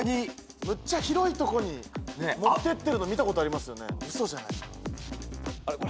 むっちゃ広いとこに持ってってるの見たことありますよね。